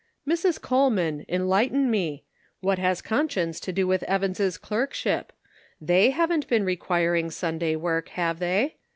" Mrs. Coleman, enlighten me ; what has conscience to do with Evan's clerkship ? They haven't been requiring Sunday work, have they